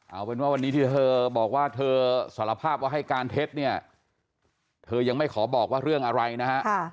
เอาเป็นว่าวันนี้ที่เธอบอกว่าเธอสารภาพว่าให้การเท็จเนี่ยเธอยังไม่ขอบอกว่าเรื่องอะไรนะฮะ